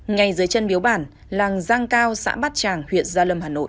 ngay dưới chân biếu bản làng giang cao xã bát tràng huyện gia lâm hà nội